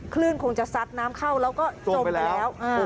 คงจะซัดน้ำเข้าแล้วก็จมไปแล้ว